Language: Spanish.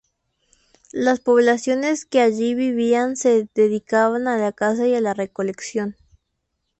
Las poblaciones que allí vivían se dedicaban a la caza y a la recolección.